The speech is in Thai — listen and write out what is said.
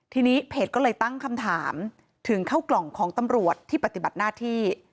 ทีนี้เพจก็เลยตั้งคำถามถึงเข้ากล่องของตำรวจที่ปฏิบัติหน้าที่